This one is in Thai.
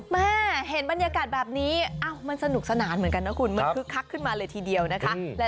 แม่เห็นบรรยากาศแบบนี้มันสนุกสนานเหมือนกันนะคุณมันคึกคักขึ้นมาเลยทีเดียวนะคะ